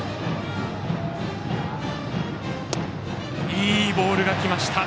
いいボールが来ました！